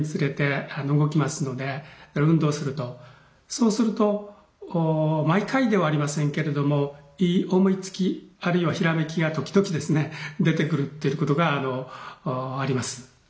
そうするとこう毎回ではありませんけれどもいい思いつきあるいはひらめきが時々ですね出てくるっていうことがあります。